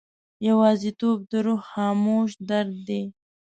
یوازیتوب د روح خاموش درد دی.